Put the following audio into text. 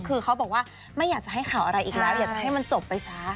คือเขาบอกว่าไม่อยากจะให้ข่าวอะไรอีกแล้วอยากจะให้มันจบไปซะ